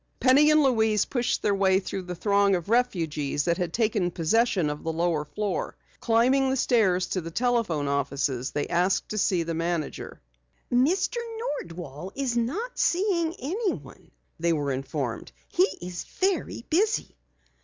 Penny and Louise pushed their way through the throng of refugees that had taken possession of the lower floor. Climbing the stairs to the telephone offices they asked to see the manager. "Mr. Nordwall isn't seeing anyone," they were informed. "He's very busy."